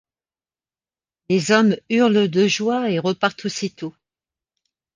Les hommes hurlent de joie et repartent aussitôt.